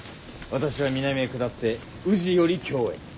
私は南へ下って宇治より京へ。